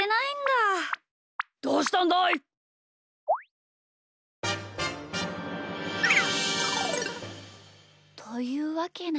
どうしたんだい？というわけなんだ。